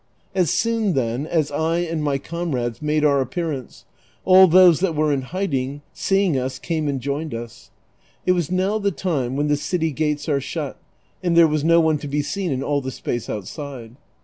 As soon, then, as I and my comrades made our appearance, all those that were in hiding seeing us came and joined us. It was now the time when the city gates are shut, and there was no one to be seen in all the space outside.